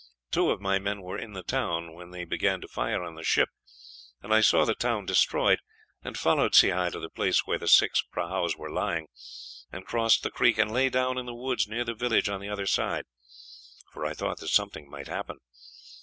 Two of my men were in the town when they began to fire on the ship, and I saw the town destroyed, and followed Sehi to the place where the six prahus were lying, and crossed the creek, and lay down in the woods near the village on the other side; for I thought that something might happen.